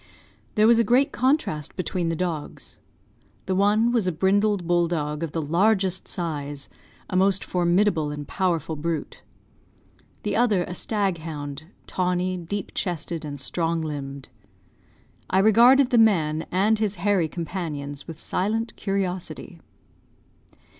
There was a great contrast between the dogs. The one was a brindled bulldog of the largest size, a most formidable and powerful brute; the other a staghound, tawny, deep chested, and strong limbed. I regarded the man and his hairy companions with silent curiosity.